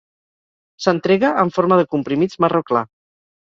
S"entrega en forma de comprimits marró clar.